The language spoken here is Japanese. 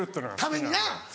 ためにな。